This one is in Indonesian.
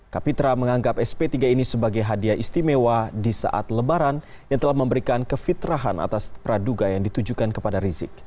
kapitra menganggap sp tiga ini sebagai hadiah istimewa di saat lebaran yang telah memberikan kefitrahan atas praduga yang ditujukan kepada rizik